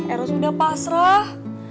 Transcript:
eros udah pasrah